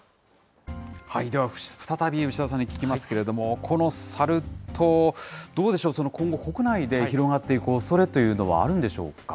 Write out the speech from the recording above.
では再び牛田さんに聞きますけれども、このサル痘、どうでしょう、今後、国内で広がっていくおそれというのはあるんでしょうか。